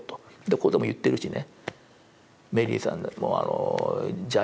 ここでも言っているしね。